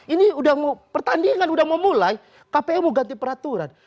ini pertandingan udah mau mulai kpu mau ganti peraturan